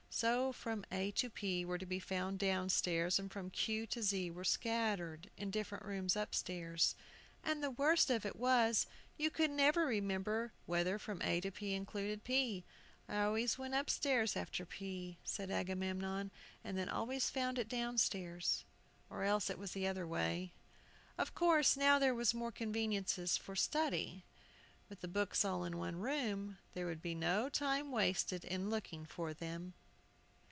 So from A to P were to be found downstairs, and from Q to Z were scattered in different rooms upstairs. And the worst of it was, you could never remember whether from A to P included P. "I always went upstairs after P," said Agamemnon, "and then always found it downstairs, or else it was the other way." Of course now there were more conveniences for study. With the books all in one room, there would be no time wasted in looking for them.